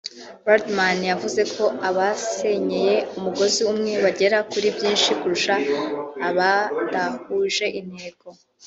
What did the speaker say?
Birdman yavuze ko abasenyeye umugozi umwe bagera kuri byinshi kurusha abadahuje intego